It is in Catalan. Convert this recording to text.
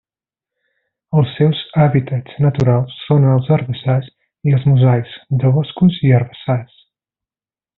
Els seus hàbitats naturals són els herbassars i els mosaics de boscos i herbassars.